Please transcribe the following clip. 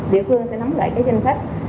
địa phương sẽ nắm lại danh sách